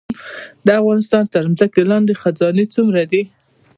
د افغانستان تر ځمکې لاندې خزانې څومره دي؟